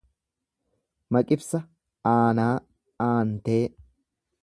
Maqibsa aanaa, aantee.